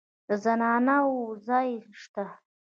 د زنانه وو ځای شته.